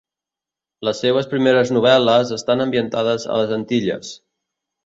Les seues primeres novel·les estan ambientades a les Antilles.